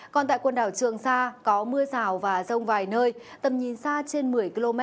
còn tại quần đảo trường sa có mưa rào và rông vài nơi tầm nhìn xa trên một mươi km